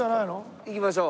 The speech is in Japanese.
行きましょう。